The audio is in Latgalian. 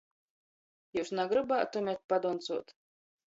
Jius nagrybātumet padoncuot?